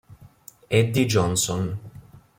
Eddie Johnson